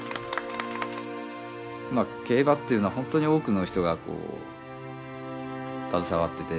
競馬っていうのは本当に多くの人が携わってて。